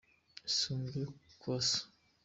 isumba iyo kwa so?